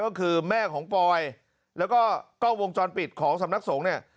ก็คือแม่ของปอยแล้วก็กล้องวงจรปิดของสำนักสงฆ์เนี่ย